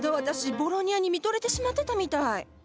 ボロニアに見とれてしまってたみたい。